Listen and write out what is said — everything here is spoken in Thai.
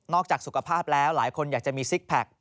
จากสุขภาพแล้วหลายคนอยากจะมีซิกแพค